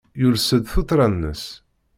Yules-d tuttra-nnes.